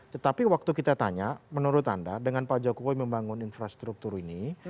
tetapi waktu kita tanya menurut anda dengan pak jokowi membangun infrastruktur ini